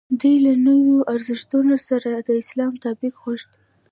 دوی له نویو ارزښتونو سره د اسلام تطابق غوښت.